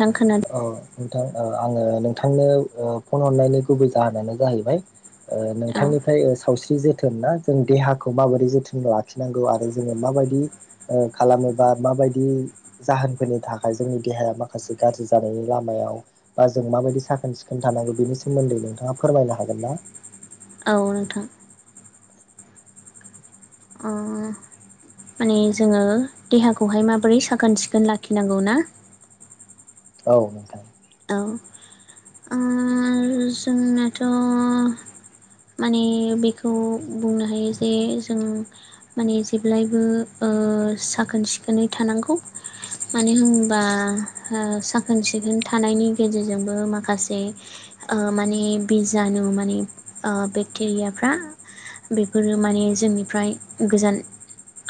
थां खोनादों औ नोंथां आङो नोंथांनो ओ फन हरनायनि गुबै जाहोनानो जाहैबाय ओ औ नोंथांनिफ्राय ओ सावस्रि जे थोनना जों देहाखौ माबोरै जोथोन लाखिनांगौ आरो जोङो माबायदि ओ खालामोबा माब बायदि जाहोनफोरनि थाखाय जोंनि देहाया माखासे गाज्रि जानायनि लामायाव बा जों माबायदि साखोन सिखोन थानांगौ बेनि सोमोन्दै नोंथाङा फोरमायनो हागोन ना [inaudible] [unintelligible] औ नोंथां। अ माने जोङो देहाखौहाय माबोरै साखोन सिखोन लाखिनांगौ ना। औ नोंथां। औ। आरो जोंनाथ' माने बेखौ बुंनो हायो जे जों माने जेब्लायबो ओ साखोन सिखोनै थानांगौ। मानो होनबा ओ साखोन सिखोन थानायनि गेजेरजोंबो माखासे ओ माने बिजानु माने ओ बेक्टेरियाफ्रा बेफोरो माने जोंनिफ्राय गोजान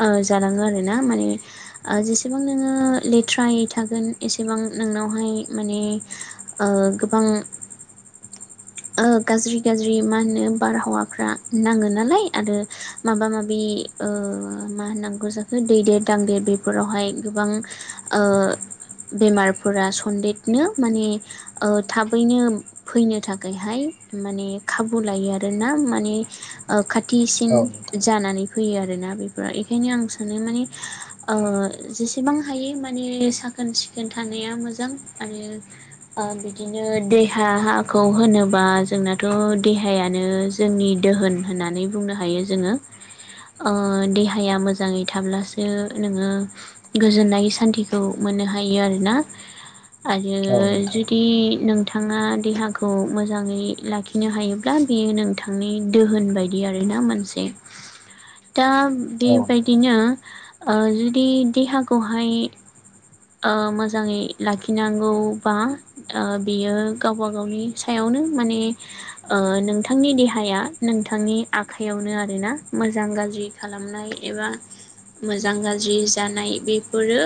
ओ जालाङो आरो ना माने जेसेबां नोङो लेथ्रायै थागोन एसेबां नोंनावहाय माने ओ गोबां गाज्रि गाज्रि मा होनो बारहावाफ्रा नाङो नालाय आरो माबा माबि ओ मा होनांगौ जाखो दैदेर दांदेर बेफोरावहाय गोबां ओ बेमारफोरा सनदेदनो माने ओ थाबैनो फैनो थाखाय थाखायहाय माने खाबु लायो आरोना माने ओ खाथि थिसिन औ नोंथां जानानै फैयो आरोना। बे बेखायनो आं सानो माने ओ जेसेबां हायो माने साखोन सिखोन थानाया मोजां आरो बिदिनो ओ देहा हाखौ होनोबा जोंनाथ' देहायानो जोंनि दोहोन होननानै बुंनो हायो जोङो। ओ देहाया मोजाङै थाब्लासो नोङो गोजोननाय सान्थिखौ मोननो हायो आरोना आरो औ नोंथां जुदि नोंथाङा देहा खौ मोजाङै लाखिनो हायोब्ला बेयो नोंथांनि दोहोन बायदि आरोना मोनसे। [inaudible] दा औ नोंथां बेबायदिनो ओ जुदि देहाखौहाय ओ मोजाङै लाखिनांगौबा ओ बियो गावबा गावनि सायावनो। माने ओ नोंथांनि देहाया नोंथांनि आखाइयावनो आरोना मोजां गाज्रि खालामनाय एबा मोजां गाज्रि जानाय बेफोरो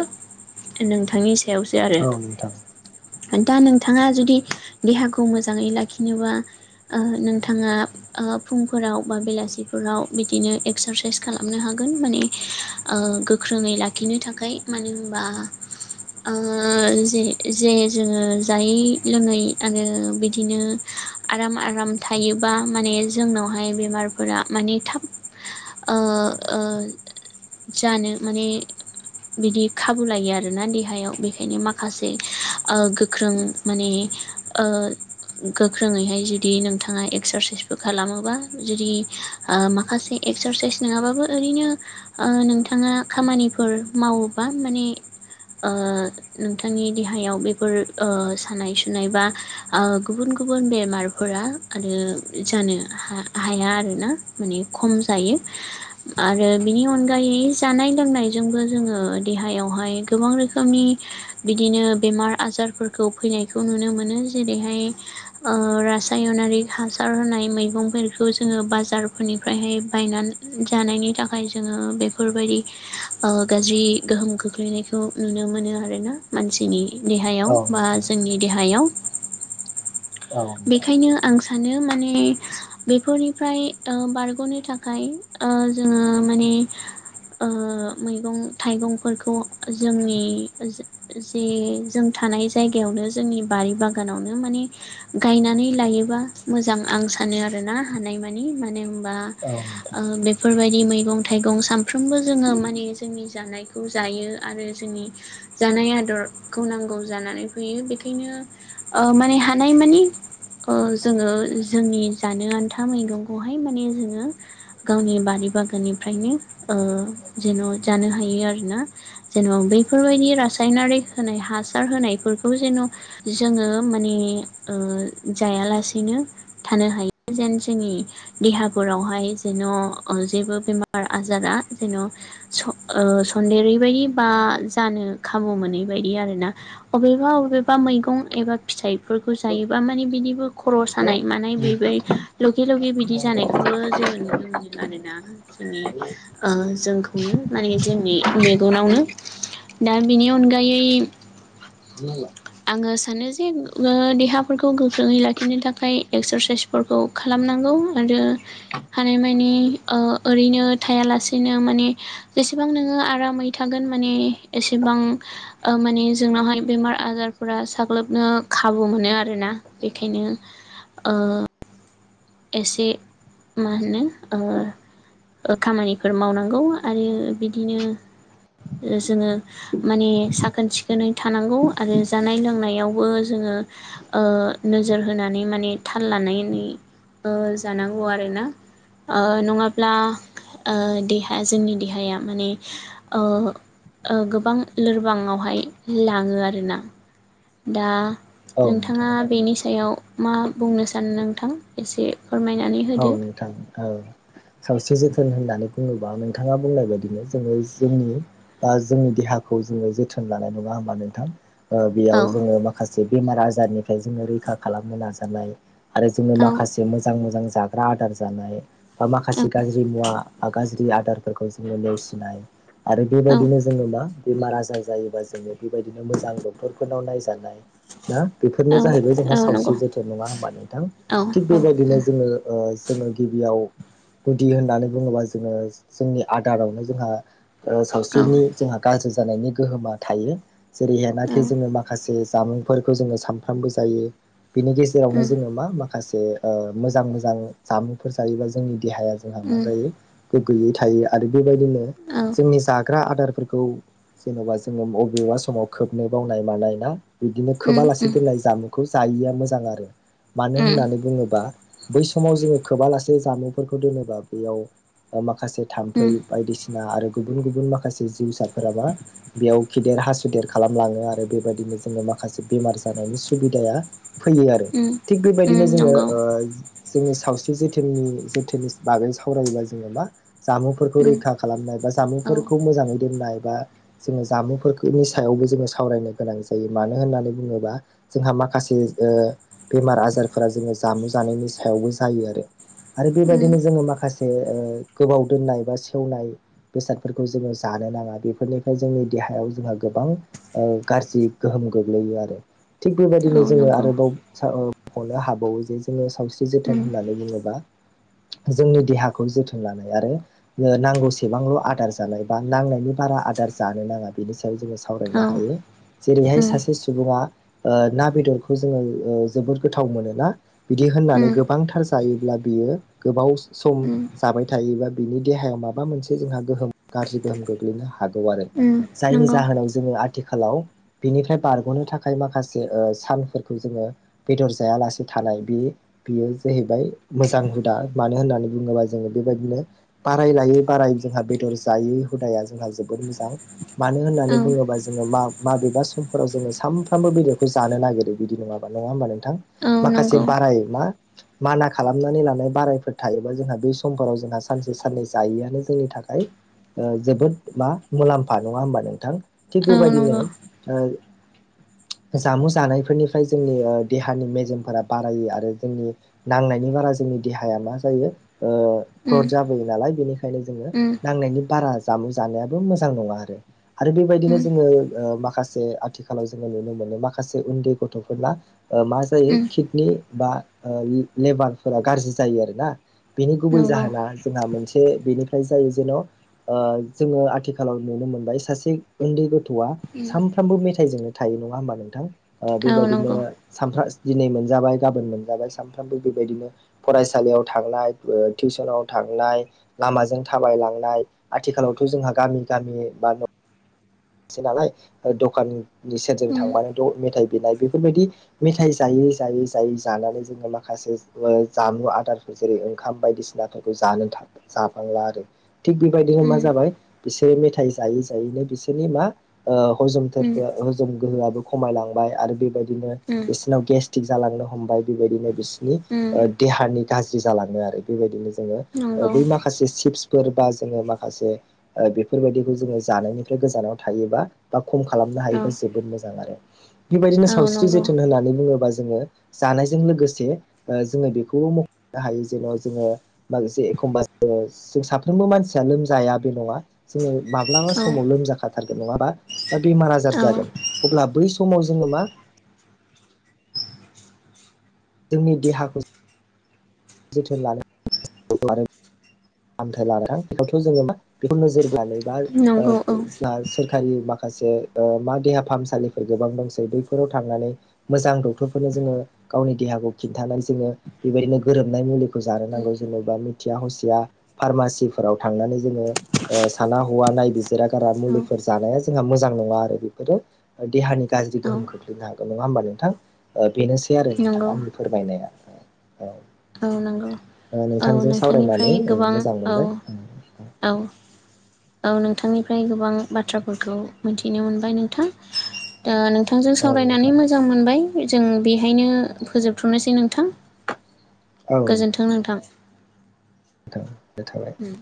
नोंथांनि सायावसो आरो। औ नोंथां दा नोंथाङा जुदि देहाखौ मोजाङै लाखिनोबा ओ नोंथाङा फुंफोराव बा बेलासिफोराव बिदिनो एक्सारसाइस खालामनो हा गोन माने गोख्रोङै लाखिनो थाखाय मानो होमबा [inaudible] ओ जे जे जोङो जायै लोङै आरो बिदिनो आराम आराम थायोबा माने जोंनावहाय बेमारफोरा माने थाब ओ ओ जानो माने बिदि खाबु लायो आरो। आरोना देहायाव बेखायनो माखासे ओ गोख्रों माने ओ गोख्रोङैहाय जुदि नोंथाङा एक्सारसाइसबो खालामोबा जुदि ओ माखासे एक्सारसाइस नङाबाबो ओरैनो ओ नोंथाङा खामानिफोर मावोबा माने ओ नोंथांनि देहायाव बेफोर ओ सानाय सुनाय बा ओ गुबुन गुबु गुबुन बेमारफोरा आरो जानो हाया आरोना माने खम जायो। आरो बिनि अनगायै जानाय लोंनायजोंबो जोङो देहायावहाय गोबां रोखोमनि बिदिनो बेमार आजारफोरखौ फैनायखौ नुनो मोनो जेरैहाय ओ रासायनारिक हासार होनाय मैगंफोरखौ जोङो बाजारफोरनिफ्रायहाय बायन जानो जानायनि थाखाय जोङो बेफोरबायदि ओ गाज्रि गोहोम खोख्लैनाय खौ नुनो मोनो आरोना मानसिनि देहायाव औ बा नोंथां जोंनि देहायाव। औ नोंथां बेखायनो आं सा सानो माने बेफोरनिफ्राय ओ बारग'नो थाखाय ओ जोङो माने बे ओ मैगं थाइगंफोरखौ जोंनि जे जों थानाय जायगायावनो जोंनि बारि बागानावनो माने गायनानै लायोबा मोजां आं सानो आरोना हानायमानि माने बा औ नोंथां ओ बेफोर बाय दि मैगं थाइगं सानफ्रोमबो जोङो माने जोंनि जानायखौ जायो। आरो जोंनि जा नाय आदरखौ नांगौ जानानै फैयो बेखायनो ओ माने हानाय मानि औ जोङो जोंनि जानो आन्था मैगंखौहाय माने जोङो गावनि बारि बा गाननिफ्रायनो ओ जेन' जानो हायो आरोना जेन' बैफोरबायदि रा सायनारि होनाय हासार होनायफोरखौ जेन' जोङो माने ओ जायालासेनो थानो हायो। जेन जोंनि देहाफोरावहाय जेन' न अ जेबो बेमार आजारा जेन' स - ओ सन सन्देरैबायदि बा जानो खाबु मोनै बायदि आरो ना अबेबा अबेबा मैगं एबा फिथाइफोर खौ जायोबा माने बिदिबो खर' सानाय मानाय बे बाय लगे लगे बिदि जानायखौबो जोङो नुनो मोनो आरोना जोंनि ओ जोंखौनो माने जोंनि मेगनावनो। दा बेनि अनगायै [unintelligible] मोनो जेन बा देहाफोरखौ गोख्रोङै लाखिनो थाखाय एक्सारसाइसफोरखौ खालामनांगौ। आरो हानायमानि ओ ओरैनो थाया लासेनो माने जेसेबां नोङो आरामै थागोन माने एसेबां ओ माने जोंनावहाय बेमार आजारफोरा साग्लोबनो खाबु मोनो आरोना। बेखायनो ओ एसे मा होनो ओ ओ खामानिफोर मावनांगौ आरो बिदिनो ओ जोङो माने साखोन सिखोनै थानांगौ आरो जानाय लोंनायावबो जोङो ओ नोजोर होनानै माने थाल लानायनै ओ जानांगौ आरो ना। ओ नङाब्ला ओ देहाया जोंनि देहाया माने ओ ओ गोबां लोरबाङआवहाय लाङो आरोना। दा औ नोंथां नोंथाङा बेनि सायाव मा बुंनो सानो नोंथां एसे फोरमायनानै औ होदो नोंथां औ सावस्रि जोथोन होननानै बुङोबा नोंथाङा बुंनाय बायदिनो जोङो जोंनि बा जोंनि देहाखौ जोङो जोथोन लानाय नङा होमबा नोंथां। ओ औ बेयाव जोङो माखासे बेमार आजारनिफ्राय जोङो रैखा खालामनो नाजानाय आरो जोङो औ माखासे मोजां मोजां जाग्रा आदार जानाय बा औ माखासे गाज्रि मुवा गाज्रि आदारफोरखौ जोङो नेवसिनाय आरो औ बेबायदिनो जोङो मा? बेमार आजार जायोबा जोंङो बेबायदिनो मोजां डक्टरफोरनाव नायजानाय। ना बेफोरनो औ जाहैबाय जोंहा औ नंगौ सावस्रि जोथोन नङा होमबा नोंथां। औ थिग औ बेबायदिनो उम जोङो ओ जोङो गिबियाव गुदि होननानै बुङोबा जोङो जोंनि आदारावनो जोंहा ओ औ सावस्रिनि जोंहा गा ज्रि जानायनि गोहोमा थायो। जेरैहायनाखि जोङो माखासे जामुंफोरखौ जोङो सानफ्रामबो जायो। बिनि गेजेरावनो उम जोङो मा माखासे ओ मोजां मो जां जामुंफोर जायोबा जोंनि देहाया जोंहा मा उम जायो गोग्गोयै थायो। आरो बेबायदिनो औ जोंनि जाग्रा आदारफोरखौ जेनेबा जोङो बबेबा समाव खोबनो बावनाय मानाय ना? बिदिनो उम खोबालासे दोननाय जामुंखौ जायिया मोजां आरो मानो उम होननानै बुङोब्ला बै समाव जोङो खोबा लासे जामुंफोरखौ दोनोबा बेयाव ओ माखासे थाम्फै उम बायदिसिना आरो गुबुन गुबुन माखासे जिउसाफोरा बा बेयाव खिदेर हासुदेर खालामलाङो आरो बेबायदिनो जोङो माखासे बेमार जानायनि सुबिदाया फैयो आरो। उम थिग उम बेबायदिनो जोङो नंगौ ओ जोंनि सावस्रि जोथोननि जोथोननि बागै सावरायोबा जोङो मा जामुंफोरखौ उम रैखा खालामनो एबा औ जामुंफोरखौ मोजाङै दोननाय बा जोङो जामुंफोरखौनि सायावबो जोङो सावरायनो गोनां जायो। मानो होननानै बुङोबा जोंहा माखासे ओ बेमार आजारफोरा जोङो जामु जानायनि सायाव सायावबो जायो आरो। आरो उम बेबायदिनो जोङो माखासे गोबाव दोननाय बा सेवनाय बेसादफोरखौ जोङो जानो थानो नाङा बेफोरनिफ्राय जोंनि देहायाव जोंहा गोबां गाज्रि गोहोम गोग्लैयो आरो। थिग बेबायदिनो औ जोङो नंगौ आरोबाव साल ओ हाबावो जे जोङो सावस्रि जोथोन उम होननानै बुङोबा जोंनि देहाखौ जोथोन लानाय आरो नांगौसेबांल' आदार जानाय बा नांनायनि बार आ आदार जानो नाङा बेनि सायाव जोङो सावरायनो औ हायो जेरैहाय उम सासे सुबुङा ओ ना बेदरखौ जोङो ओ जोबोद गोथाव मोनोना बिदि होननानै उम गोबांथार जायोब्ला बियो गोबाव सम उम उम जाबाय थायोबा बिनि देहायाव माबा मोनसे जोंहा गोहोम गाज्रि गोहोम गोग्लैनो हागौ आरो जायनि नंगौ जाहोनाव जोङो आ थिखालाव बिनिफ्राय बारग'नो थाखाय माखासे सानफोरखौ जोङो बेदर जायालासे थानाय बे बेयो जाहैबाय मोजां हुदा मानो होननानै बुङोबा जोङो बेबायदिनो बाराय लायै बाराय जोंहा बेदर जायै हुदाया जोंहा जोबोद मोजां मानो औ होननानै बुङोबा जोङो मा। माबेबा समफोराव जोङो सानफ्रामबो बेदरखौ जानो नागिरो बिदि नङाबा नङा होमबा नों थां औ माखासे नंगौ बाराय मा माना खालामनानै लानाय बारायफोर थायोबा जोंहा बे समफोराव जोंहा सानसे साननै जायोआनो जों नि थाखाय ओ जोबोद मा मुलाम्फा नङा होमबा नोंथां थिग औ बेबायदिनो नंगौ जामु जानायफोरनिफ्राय जोंनि देहानि मेजेमफोरा बारायो आरो। जोंनि नांनायनि बारा जोंनि देहाया मा जायो। ओ उम गट जाबोयो नालाय बेनिखायनो जोङो उम नांनायनि बारा जामुं जानायाबो मोजां नङा आरो आरो बेबायदिनो उम जोङो ओ मा खासे आथिखालाव जोङो नुनो मोनो माखासे उन्दै गथ'फोरना मा जायो उम किडनि बा लेबारफोरा गाज्रि जायो आरोना बेनि गुबै नंगौ जाहोना जोंहा मोनसे बे बेनिफ्राय जायो जेन' जोङो आथिखालाव नुनो मोनबाय सासे उन्दै गथ'आ उम सानफ्रामबो मेथाइजोंनो थायो नङा होमबा नोंथां औ बेबायदिनो नंगौ साफा दिनै मोनजाबाय गाबोन मोन जाबाय सानफ्रोमबो बेबायदिनो फसायसालिआव थांनाय ओ टिउसनाव थांनाय लामाजों थाबायलांनाय आथिखालावथ' जोंहा गामि गामि बा सै नालाय दखाननि सेरजों उम थांबानोथ' मेथाइ बिनाय बेफोरबायदि मेथाइ जाय जायै जायै जानानै जोङो माखासे जामु आदार जेरै ओंखाम बायदिसिनाफोरखौ जानो जाफांला आरो थिग बेबायदिनो मा उम जाबाय बिसोर मेथाइ जायै जायैनो बिसोरनि मा हजोमथोर उम हजोम गोहोआबो खमायलांबाय आरो बेबायदिनो उम बिसिरनाव गेस थिग जालांनो हमबाय बेबायदिनो बिसोरनि ओ उम देहानि गाज्रि जालाङो आरो बेबायदिनो जोङो नंगौ बै माखासे सिपस बा जोङो माखासे बेफोरबायदिखौ जोङो जानायनि बे गोजानाव थायोबा बा खम खालामनो औ हायोबा जोबोद मोजां आरो। बेबायदिनो औ सावस्रि नंगौ जोथोन होननानै बुङोबा जोङो जानायजों लोगोसे जोङो बेखौबो मख'नो हायो जेन' जोङो माखासे एखमबा जों ङो साफ्रोमबो मानसिया लोमजाया बे नङा जोङो माब्लाबा औ समाव लोमजाखाथारगोन नङाबा बा बेमार आजार औ जागोन अब्ला बै सम समाव जोङो मा जोंनि देहाखौ जोथोन लानो [unintelligible] फाहामथाय लां बेथ' जोङो मा बेखौ नोजोर बोनै बा नंगौ औ जोंङो सोरखारि माखासे माखासे मा देहा फाहामसालिफोर गोबां दंसै बैफोराव थांनानै मोजां डक्टरफोरनो जोङो गावनि देहाखौ खिन्थानानो सोलों बेबायदिनो गोरोबनाय मुलिखौ जानो उम नांगौ जेनबा मिथिया हसिया फार्मासिफोराव थांनानै जोङो साना हौवा नायबिजिरा गारा औ मुलिफोर जानाया जोंहा मोजां नङा आरो बेफोरो देहानि गाज्रि औ गोहोम खोख्लैनो हागोन नङा हबा नोंथां बेनोसै आरो नोंथां नंगौ आंनि फोरमायनाया औ औ नंगौ ओ औ नोंथांजों नोंथांनिफ्राय सावरायनानै ओ गोबां मोजां औ मोनबाय औ औ नोंथांनिफ्राय गोबां बाथ्राफोरखौ मिथिनो मोनबाय नोंथां ओ नों थांजों औ नोंथां सावरायनानै मोजां मोनबाय जों बेहायनो फोजोबथनोसै नोंथां। गोजोन्थों नोंथां थां थाबाय उम